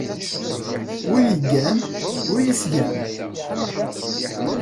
Ur yeggan, ur yesgan.